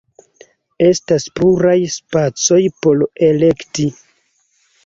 Estas pluraj spacoj por elekti.